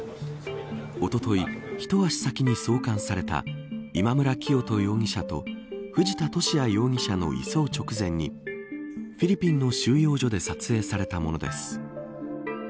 おとといひと足先に送還された今村磨人容疑者と藤田聖也容疑者の移送直前にフィリピンの収容所で撮影されたものです。